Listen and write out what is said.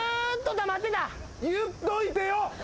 言っといてよ！